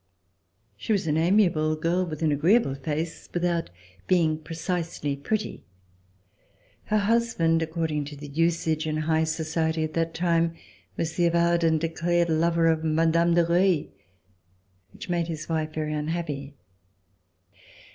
She was an amiable girl with an agreeable face, without being precisely pretty. Her husband, according to the usage in high society at that time, was the avowed and declared lover of Mme. de Reuilly, which made his wife very unhappy.